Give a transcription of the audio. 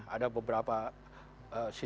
ada beberapa cctv yang ada di tempat kejadian